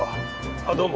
あっどうも。